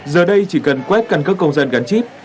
giờ đây chỉ cần quét căn cước công dân gắn chip